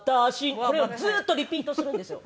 これをずーっとリピートするんですよ。